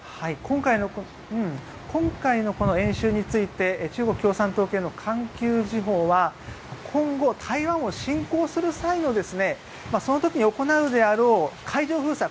今回の演習について中国共産党系の環球時報は今後、台湾を侵攻する際のその時に行うであろう海上封鎖